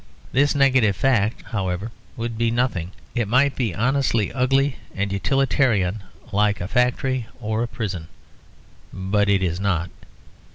This negative fact, however, would be nothing; it might be honestly ugly and utilitarian like a factory or a prison; but it is not.